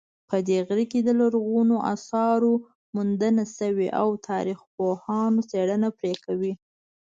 په دې غره کې د لرغونو آثارو موندنه شوې او تاریخپوهان څېړنه پرې کوي